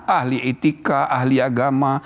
ahli etika ahli agama